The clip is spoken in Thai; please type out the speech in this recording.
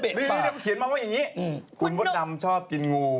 หรือเขียนมาว่าอย่างนี้คุณมดดำชอบกินงู